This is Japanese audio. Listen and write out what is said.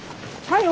はい。